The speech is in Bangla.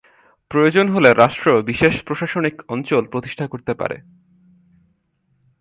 প্রয়োজন হলে রাষ্ট্র বিশেষ প্রশাসনিক অঞ্চল প্রতিষ্ঠা করতে পারে।